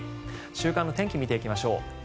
週間天気を見ていきましょう。